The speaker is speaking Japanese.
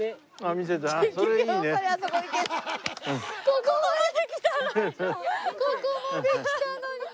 ここまで来たのに。